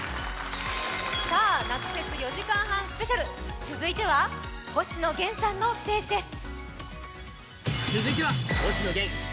夏フェス４時間半スペシャル、続いては星野源さんのステージです。